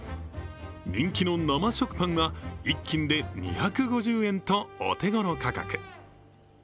人気の生食パンは１斤で２５０円とお手ごろ価格。